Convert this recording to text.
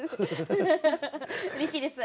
うれしいです。